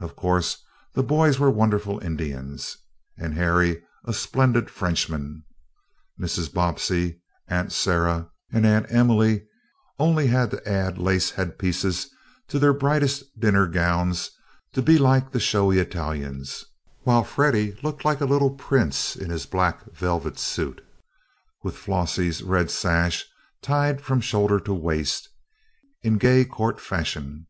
Of course, the boys were wonderful Indians, and Harry a splendid Frenchman; Mrs. Bobbsey, Aunt Sarah, and Aunt Emily only had to add lace headpieces to their brightest dinner gowns to be like the showy Italians, while Freddie looked like a little prince in his black velvet suit, with Flossie's red sash tied from shoulder to waist, in gay court fashion.